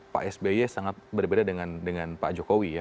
pak sby sangat berbeda dengan pak jokowi ya